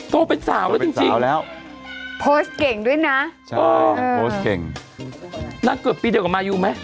โตเป็นสาวแล้วจริงแล้วโพสต์เก่งด้วยนะใช่โพสต์เก่งนางเกือบปีเดียวกับมายูไหม